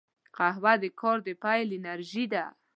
قهوه د کار د پیل انرژي ده